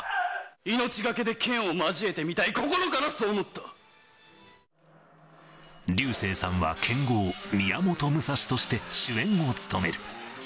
命懸けで剣を交えてみたい、流星さんは、剣豪、宮本武蔵として主演を務める。